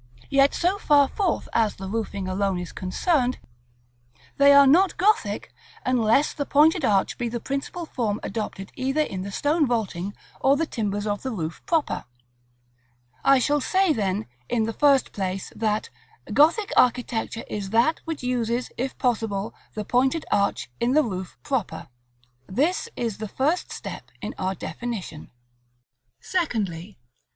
Yet so far forth as the roofing alone is concerned, they are not Gothic unless the pointed arch be the principal form adopted either in the stone vaulting or the timbers of the roof proper. I shall say then, in the first place, that "Gothic architecture is that which uses, if possible, the pointed arch in the roof proper." This is the first step in our definition. § LXXXII. Secondly.